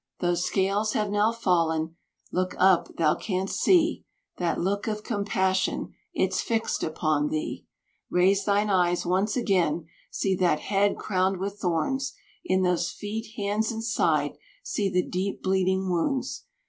Those scales have now fallen; look up, thou canst see That look of compassion, it's fixed upon thee. Raise thine eyes once again, see that head crowned with thorns; In those feet, hands, and side, see the deep bleeding wounds.